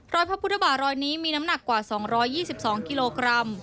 พระพุทธบาทรอยนี้มีน้ำหนักกว่า๒๒กิโลกรัม